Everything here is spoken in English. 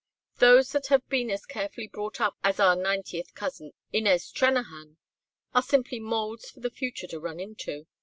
Those that have been as carefully brought up as our ninetieth cousin, Inez Trennahan, are simply moulds for the future to run into.